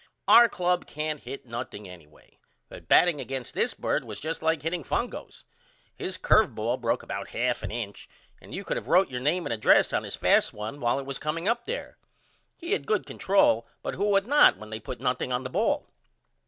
Our club can't hit nothing anyway. But batting against this bird was just like hitting fungos. His curve ball broke about 1/2 a inch and you could of wrote your name and address on his fast one while it was comeing up there. He had good control but who would not when they put nothing on the ball?